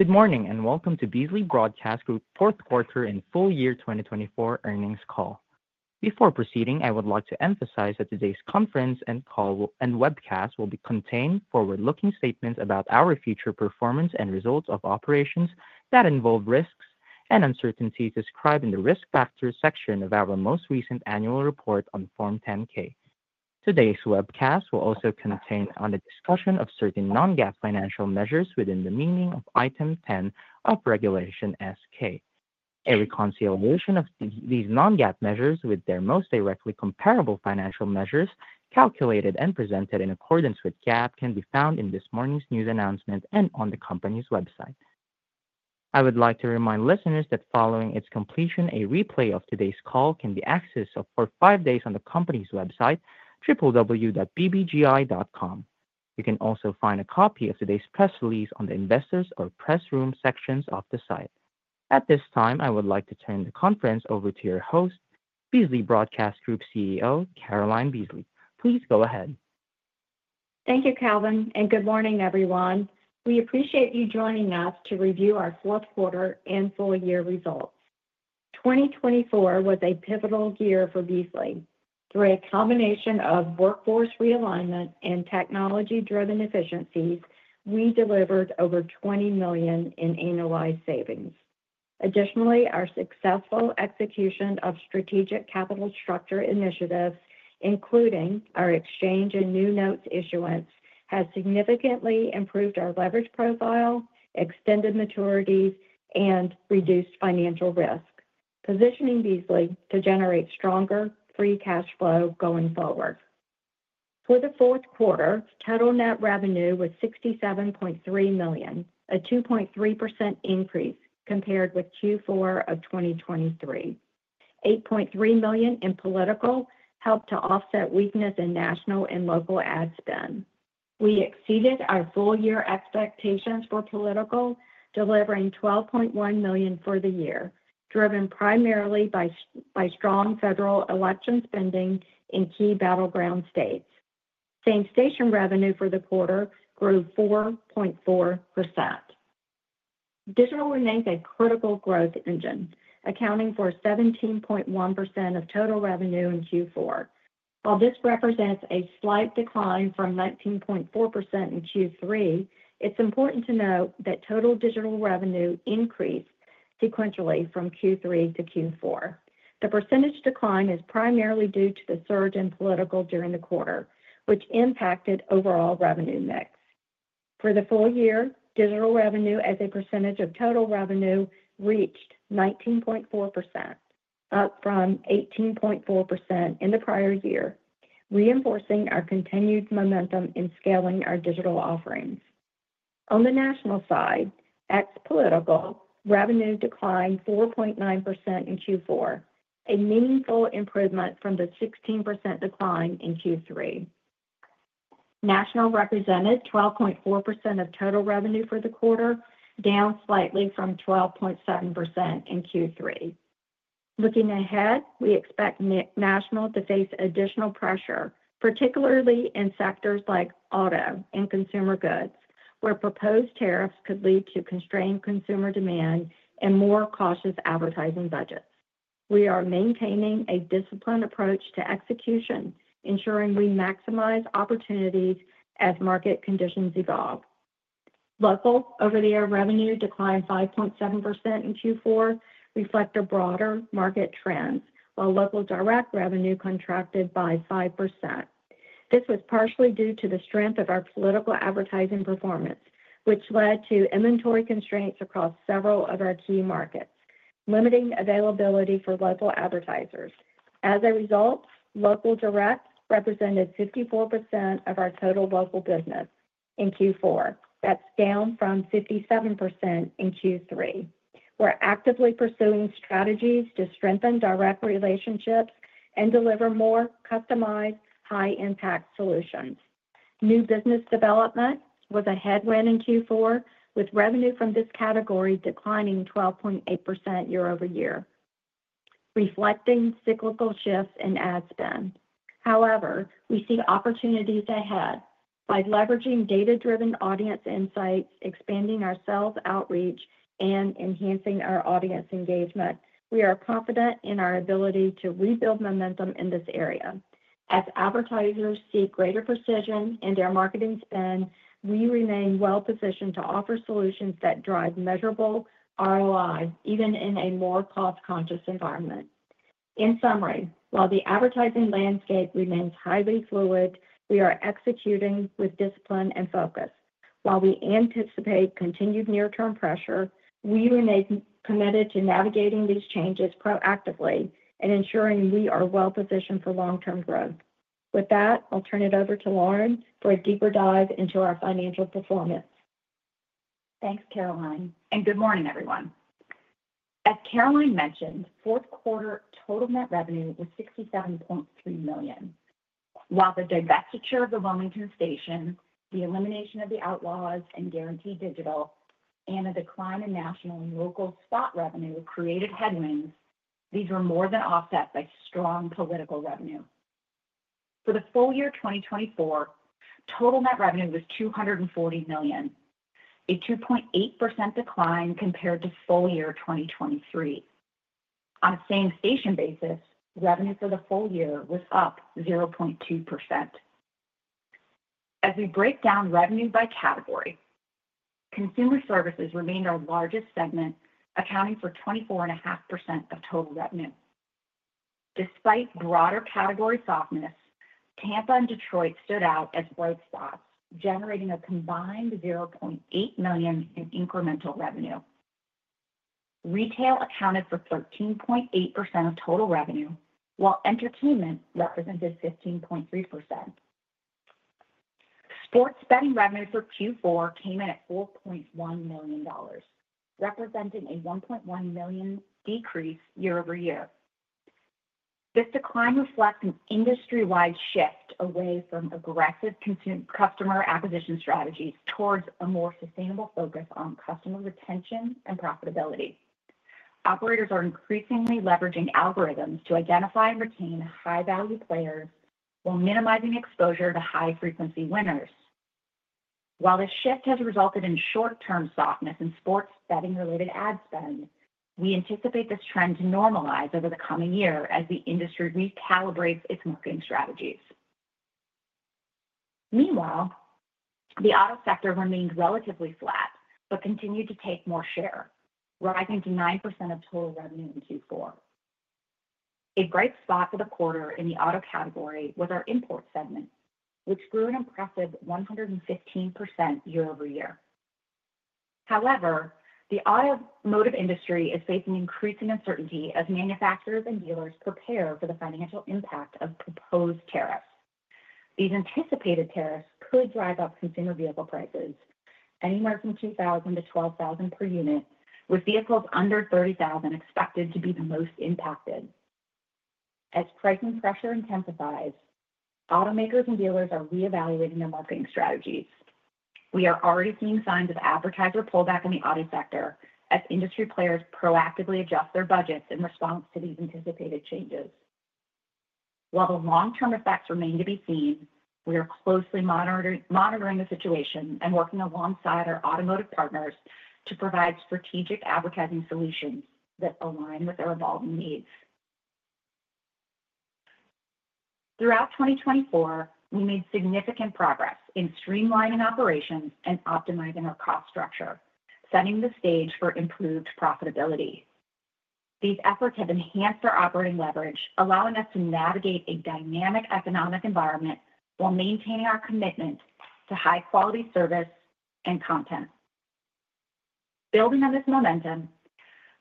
Good morning and welcome to Beasley Broadcast Group's Q4 and Full Year 2024 Earnings Call. Before proceeding, I would like to emphasize that today's conference and call and webcast will contain forward-looking statements about our future performance and results of operations that involve risks and uncertainties described in the risk factors section of our most recent annual report on Form 10-K. Today's webcast will also contain a discussion of certain non-GAAP financial measures within the meaning of Item 10 of Regulation S-K. A reconciliation of these non-GAAP measures with their most directly comparable financial measures calculated and presented in accordance with GAAP can be found in this morning's news announcement and on the company's website. I would like to remind listeners that following its completion, a replay of today's call can be accessed for five days on the company's website, www.bbgi.com. You can also find a copy of today's press release on the investors' or press room sections of the site. At this time, I would like to turn the conference over to your host, Beasley Broadcast Group CEO, Caroline Beasley. Please go ahead. Thank you, Calvin. Good Morning, everyone. We appreciate you joining us to review our Q4 and Full Year Results. 2024 was a pivotal year for Beasley. Through a combination of workforce realignment and technology-driven efficiencies, we delivered over $20 million in annualized savings. Additionally, our successful execution of strategic capital structure initiatives, including our exchange and new notes issuance, has significantly improved our leverage profile, extended maturities, and reduced financial risk, positioning Beasley to generate stronger free cash flow going forward. For the Q4, total net revenue was $67.3 million, a 2.3% increase compared with Q4 of 2023. $8.3 million in political helped to offset weakness in national and local ad spend. We exceeded our full year expectations for political, delivering $12.1 million for the year, driven primarily by strong federal election spending in key battleground states. Same station revenue for the quarter grew 4.4%. Digital remains a critical growth engine, accounting for 17.1% of total revenue in Q4. While this represents a slight decline from 19.4% in Q3, it's important to note that total digital revenue increased sequentially from Q3 to Q4. The percentage decline is primarily due to the surge in political during the quarter, which impacted overall revenue mix. For the full year, digital revenue as a percentage of total revenue reached 19.4%, up from 18.4% in the prior year, reinforcing our continued momentum in scaling our digital offerings. On the national side, ex-political revenue declined 4.9% in Q4, a meaningful improvement from the 16% decline in Q3. National represented 12.4% of total revenue for the quarter, down slightly from 12.7% in Q3. Looking ahead, we expect national to face additional pressure, particularly in sectors like auto and consumer goods, where proposed tariffs could lead to constrained consumer demand and more cautious advertising budgets. We are maintaining a disciplined approach to execution, ensuring we maximize opportunities as market conditions evolve. Local over-the-air revenue declined 5.7% in Q4, reflecting broader market trends, while local direct revenue contracted by 5%. This was partially due to the strength of our political advertising performance, which led to inventory constraints across several of our key markets, limiting availability for local advertisers. As a result, local direct represented 54% of our total local business in Q4, that's down from 57% in Q3. We're actively pursuing strategies to strengthen direct relationships and deliver more customized, high-impact solutions. New business development was a headwind in Q4, with revenue from this category declining 12.8% year over year, reflecting cyclical shifts in ad spend. However, we see opportunities ahead. By leveraging data-driven audience insights, expanding our sales outreach, and enhancing our audience engagement, we are confident in our ability to rebuild momentum in this area. As advertisers seek greater precision in their marketing spend, we remain well-positioned to offer solutions that drive measurable ROI, even in a more cost-conscious environment. In summary, while the advertising landscape remains highly fluid, we are executing with discipline and focus. While we anticipate continued near-term pressure, we remain committed to navigating these changes proactively and ensuring we are well-positioned for long-term growth. With that, I'll turn it over to Lauren for a deeper dive into our financial performance. Thanks, Caroline, and good morning, everyone. As Caroline mentioned, Q4 total net revenue was $67.3 million. While the divestiture of the Wilmington station, the elimination of the Outlaws and Guarantee Digital, and a decline in national and local spot revenue created headwinds, these were more than offset by strong political revenue. For the full year 2024, total net revenue was $240 million, a 2.8% decline compared to full year 2023. On a same station basis, revenue for the full year was up 0.2%. As we break down revenue by category, consumer services remained our largest segment, accounting for 24.5% of total revenue. Despite broader category softness, Tampa and Detroit stood out as bright spots, generating a combined $0.8 million in incremental revenue. Retail accounted for 13.8% of total revenue, while entertainment represented 15.3%. Sports betting revenue for Q4 came in at $4.1 million, representing a $1.1 million decrease year over year. This decline reflects an industry-wide shift away from aggressive customer acquisition strategies towards a more sustainable focus on customer retention and profitability. Operators are increasingly leveraging algorithms to identify and retain high-value players while minimizing exposure to high-frequency winners. While this shift has resulted in short-term softness in sports betting-related ad spend, we anticipate this trend to normalize over the coming year as the industry recalibrates its marketing strategies. Meanwhile, the auto sector remained relatively flat but continued to take more share, rising to 9% of total revenue in Q4. A bright spot for the quarter in the auto category was our import segment, which grew an impressive 115% year over year. However, the automotive industry is facing increasing uncertainty as manufacturers and dealers prepare for the financial impact of proposed tariffs. These anticipated tariffs could drive up consumer vehicle prices. Anywhere from $2,000-$12,000 per unit, with vehicles under $30,000 expected to be the most impacted. As pricing pressure intensifies, automakers and dealers are reevaluating their marketing strategies. We are already seeing signs of advertiser pullback in the auto sector as industry players proactively adjust their budgets in response to these anticipated changes. While the long-term effects remain to be seen, we are closely monitoring the situation and working alongside our automotive partners to provide strategic advertising solutions that align with our evolving needs. Throughout 2024, we made significant progress in streamlining operations and optimizing our cost structure, setting the stage for improved profitability. These efforts have enhanced our operating leverage, allowing us to navigate a dynamic economic environment while maintaining our commitment to high-quality service and content. Building on this momentum,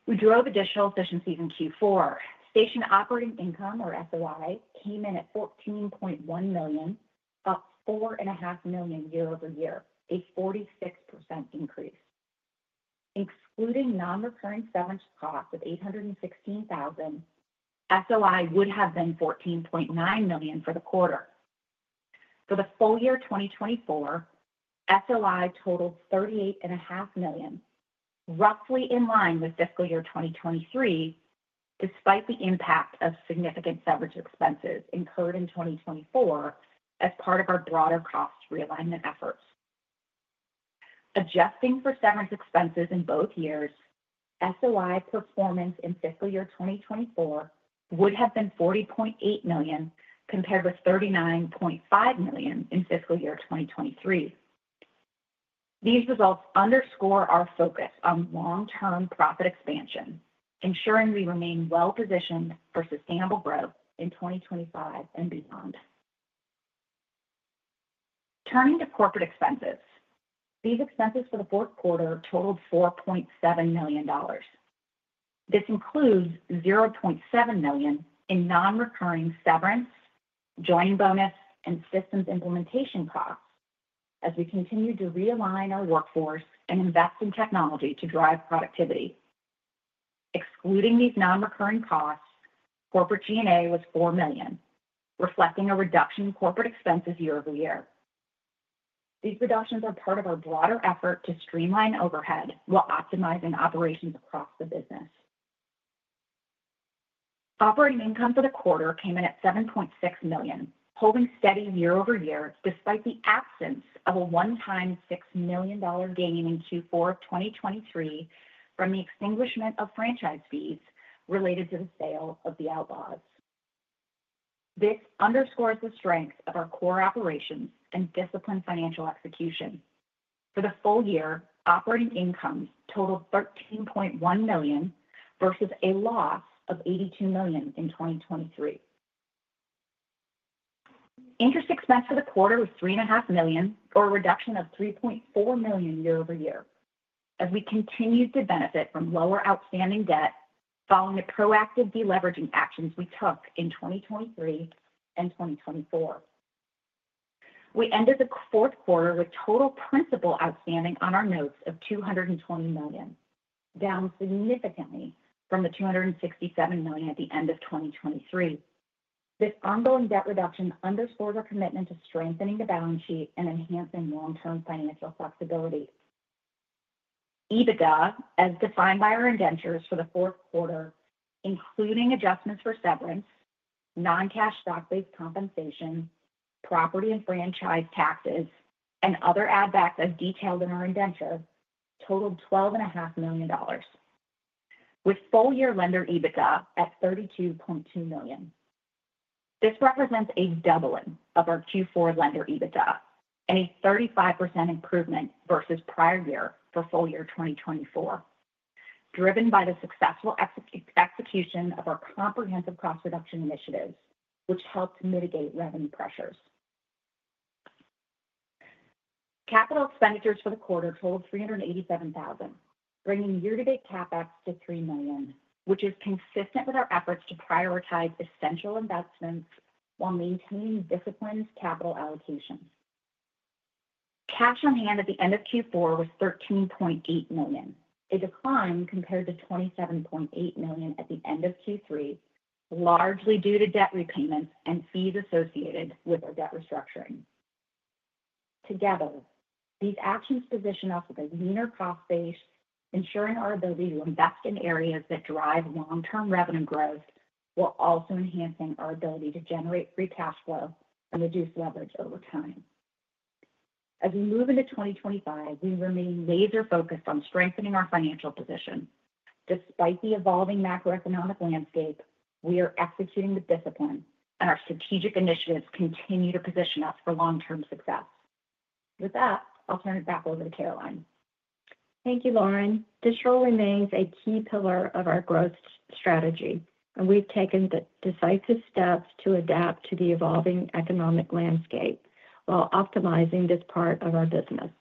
we drove additional efficiencies in Q4. Station operating income, or SOI, came in at $14.1 million, up $4.5 million year over year, a 46% increase. Excluding non-recurring severance costs of $816,000, SOI would have been $14.9 million for the quarter. For the full year 2024, SOI totaled $38.5 million, roughly in line with fiscal year 2023, despite the impact of significant severance expenses incurred in 2024 as part of our broader cost realignment efforts. Adjusting for severance expenses in both years, SOI performance in fiscal year 2024 would have been $40.8 million compared with $39.5 million in fiscal year 2023. These results underscore our focus on long-term profit expansion, ensuring we remain well-positioned for sustainable growth in 2025 and beyond. Turning to corporate expenses, these expenses for the Q4 totaled $4.7 million. This includes $0.7 million in non-recurring severance, joining bonus, and systems implementation costs as we continue to realign our workforce and invest in technology to drive productivity. Excluding these non-recurring costs, corporate G&A was $4 million, reflecting a reduction in corporate expenses year over year. These reductions are part of our broader effort to streamline overhead while optimizing operations across the business. Operating income for the quarter came in at $7.6 million, holding steady year over year despite the absence of a one-time $6 million gain in Q4 of 2023 from the extinguishment of franchise fees related to the sale of the Outlaws. This underscores the strength of our core operations and disciplined financial execution. For the full year, operating incomes totaled $13.1 million versus a loss of $82 million in 2023. Interest expense for the quarter was $3.5 million, for a reduction of $3.4 million year over year, as we continued to benefit from lower outstanding debt following the proactive deleveraging actions we took in 2023 and 2024. We ended the Q4 with total principal outstanding on our notes of $220 million, down significantly from the $267 million at the end of 2023. This ongoing debt reduction underscores our commitment to strengthening the balance sheet and enhancing long-term financial flexibility. EBITDA, as defined by our indentures for the Q4, including adjustments for severance, non-cash stock-based compensation, property and franchise taxes, and other add-backs as detailed in our indenture, totaled $12.5 million, with full-year Lender EBITDA at $32.2 million. This represents a doubling of our Q4 lender EBITDA and a 35% improvement versus prior year for full year 2024, driven by the successful execution of our comprehensive cost reduction initiatives, which helped mitigate revenue pressures. Capital expenditures for the quarter totaled $387,000, bringing year-to-date capex to $3 million, which is consistent with our efforts to prioritize essential investments while maintaining disciplined capital allocations. Cash on hand at the end of Q4 was $13.8 million, a decline compared to $27.8 million at the end of Q3, largely due to debt repayments and fees associated with our debt restructuring. Together, these actions position us with a leaner cost base, ensuring our ability to invest in areas that drive long-term revenue growth while also enhancing our ability to generate free cash flow and reduce leverage over time. As we move into 2025, we remain laser-focused on strengthening our financial position. Despite the evolving macroeconomic landscape, we are executing with discipline, and our strategic initiatives continue to position us for long-term success. With that, I'll turn it back over to Caroline. Thank you, Lauren. Digital remains a key pillar of our growth strategy, and we've taken the decisive steps to adapt to the evolving economic landscape while optimizing this part of our business.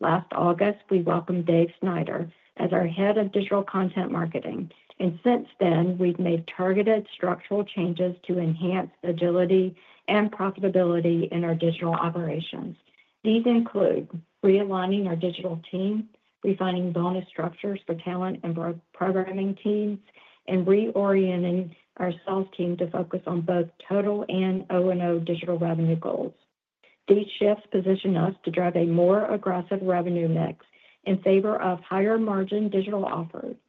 Last August, we welcomed Dave Snyder as our head of digital content marketing, and since then, we've made targeted structural changes to enhance agility and profitability in our digital operations. These include re-aligning our digital team, refining bonus structures for talent and programming teams, and reorienting our sales team to focus on both total and O&O digital revenue goals. These shifts position us to drive a more aggressive revenue mix in favor of higher-margin digital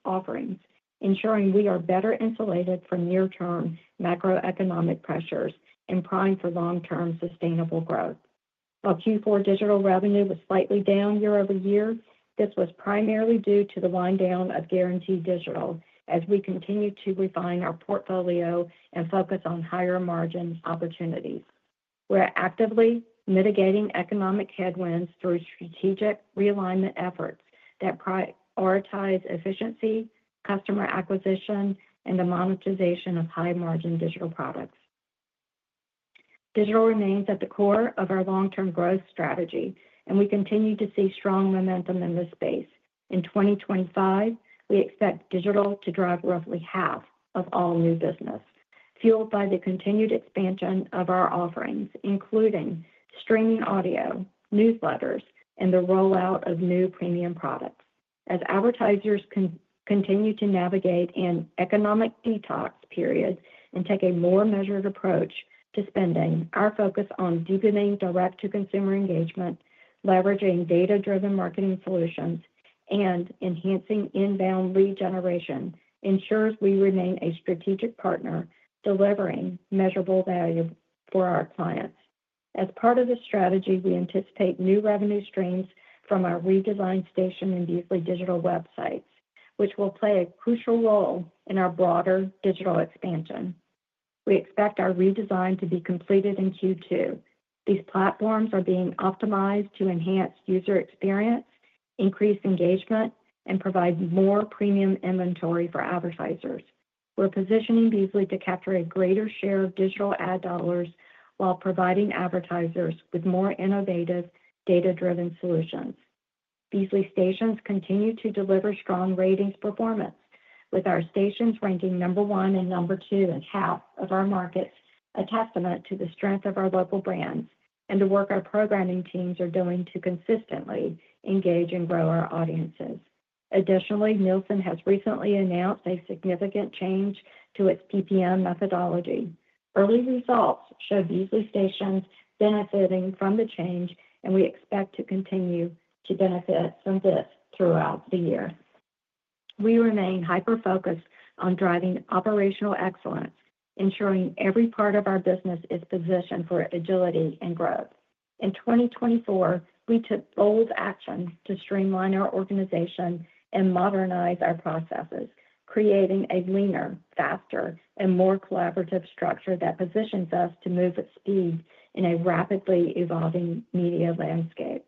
offerings, ensuring we are better insulated from near-term macroeconomic pressures and primed for long-term sustainable growth. While Q4 digital revenue was slightly down year over year, this was primarily due to the wind down of Guarantee Digital as we continue to refine our portfolio and focus on higher-margin opportunities. We're actively mitigating economic headwinds through strategic realignment efforts that prioritize efficiency, customer acquisition, and the monetization of high-margin digital products. Digital remains at the core of our long-term growth strategy, and we continue to see strong momentum in this space. In 2025, we expect digital to drive roughly half of all new business, fueled by the continued expansion of our offerings, including streaming audio, newsletters, and the rollout of new premium products. As advertisers continue to navigate an economic detox period and take a more measured approach to spending, our focus on deepening direct-to-consumer engagement, leveraging data-driven marketing solutions, and enhancing inbound lead generation ensures we remain a strategic partner delivering measurable value for our clients. As part of this strategy, we anticipate new revenue streams from our redesigned station and Beasley Digital websites, which will play a crucial role in our broader digital expansion. We expect our redesign to be completed in Q2. These platforms are being optimized to enhance user experience, increase engagement, and provide more premium inventory for advertisers. We're positioning Beasley to capture a greater share of digital ad dollars while providing advertisers with more innovative data-driven solutions. Beasley stations continue to deliver strong ratings performance, with our stations ranking number one and number two in half of our markets, a testament to the strength of our local brands and the work our programming teams are doing to consistently engage and grow our audiences. Additionally, Nielsen has recently announced a significant change to its PPM methodology. Early results show Beasley stations benefiting from the change, and we expect to continue to benefit from this throughout the year. We remain hyper-focused on driving operational excellence, ensuring every part of our business is positioned for agility and growth. In 2024, we took bold action to streamline our organization and modernize our processes, creating a leaner, faster, and more collaborative structure that positions us to move at speed in a rapidly evolving media landscape.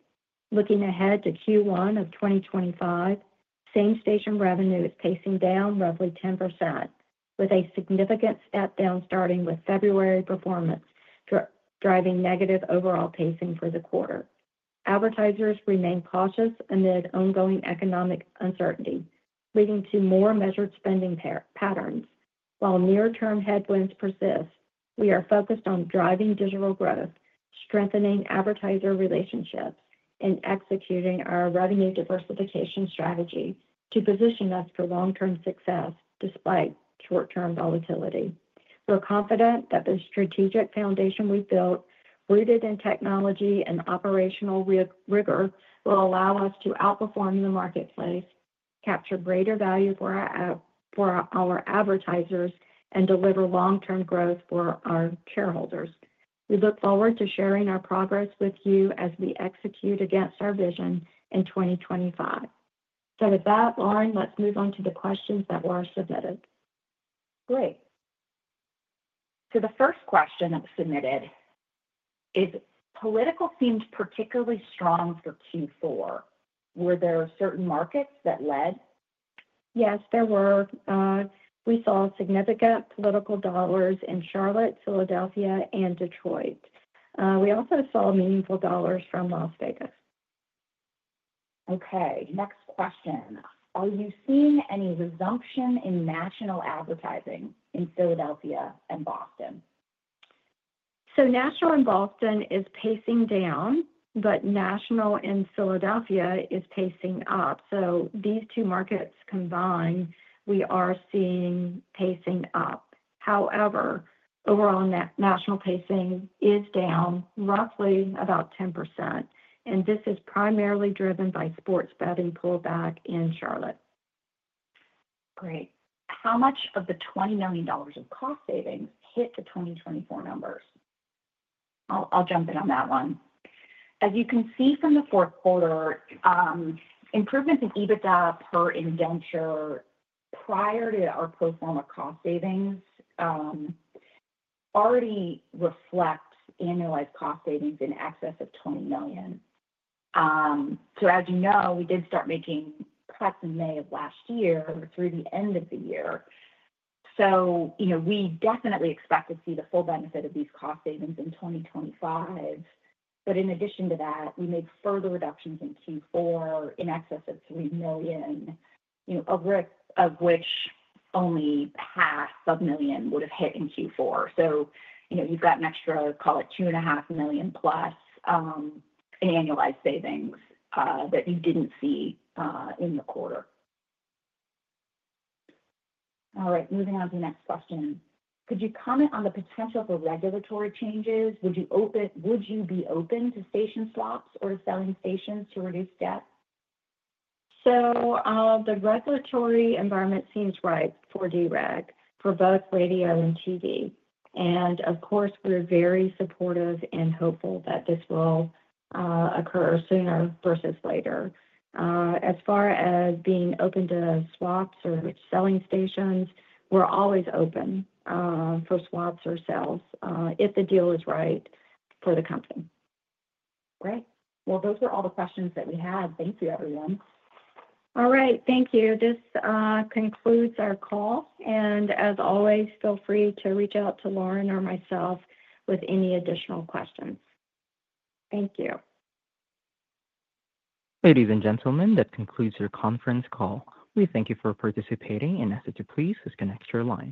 Looking ahead to Q1 of 2025, same station revenue is pacing down roughly 10%, with a significant step down starting with February performance driving negative overall pacing for the quarter. Advertisers remain cautious amid ongoing economic uncertainty, leading to more measured spending patterns. While near-term headwinds persist, we are focused on driving digital growth, strengthening advertiser relationships, and executing our revenue diversification strategy to position us for long-term success despite short-term volatility. We're confident that the strategic foundation we've built, rooted in technology and operational rigor, will allow us to outperform the marketplace, capture greater value for our advertisers, and deliver long-term growth for our shareholders. We look forward to sharing our progress with you as we execute against our vision in 2025. Lauren, let's move on to the questions that were submitted. Great. The first question that was submitted is, "Political seemed particularly strong for Q4. Were there certain markets that led? Yes, there were. We saw significant political dollars in Charlotte, Philadelphia, and Detroit. We also saw meaningful dollars from Las Vegas. Okay. Next question, "Are you seeing any resumption in national advertising in Philadelphia and Boston? National in Boston is pacing down, but national in Philadelphia is pacing up. These two markets combined, we are seeing pacing up. However, overall national pacing is down roughly about 10%, and this is primarily driven by sports betting pullback in Charlotte. Great. "How much of the $20 million in cost savings hit the 2024 numbers?" I'll jump in on that one. As you can see from the Q4, improvements in EBITDA per indenture prior to our pro forma cost savings already reflect annualized cost savings in excess of $20 million. As we did start making cuts in May of last year through the end of the year. We definitely expect to see the full benefit of these cost savings in 2025. In addition to that, we made further reductions in Q4 in excess of $3 million, of which only half, sub-million, would have hit in Q4. You have an extra, call it $2.5 million plus in annualized savings that you did not see in the quarter. All right. Moving on to the next question, "Could you comment on the potential for regulatory changes? Would you be open to station swaps or selling stations to reduce debt? The regulatory environment seems ripe for dereg for both radio and TV. Of course, we're very supportive and hopeful that this will occur sooner versus later. As far as being open to swaps or selling stations, we're always open for swaps or sales if the deal is right for the company. Great. Those were all the questions that we had. Thank you, everyone. All right. Thank you. This concludes our call. As always, feel free to reach out to Lauren or myself with any additional questions. Thank you. Ladies and gentlemen, that concludes your conference call. We thank you for participating, and ask that you please disconnect your line.